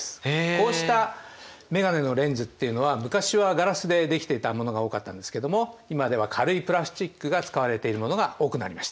こうした眼鏡のレンズっていうのは昔はガラスでできていたものが多かったんですけども今では軽いプラスチックが使われているものが多くなりました。